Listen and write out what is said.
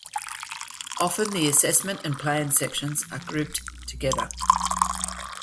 Often the Assessment and Plan sections are grouped together.